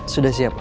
sudah siap pak